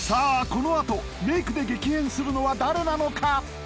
このあとメイクで激変するのは誰なのか？